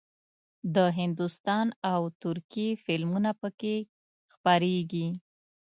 د هندوستان او ترکیې فلمونه پکې خپرېږي.